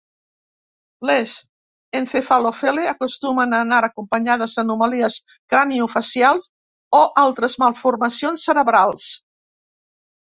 Les encefalocele acostumen a anar acompanyades d'anomalies craniofacial o altres malformacions cerebrals.